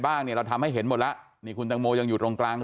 เนี่ยเราทำให้เห็นหมดแล้วนี่คุณตังโมยังอยู่ตรงกลาง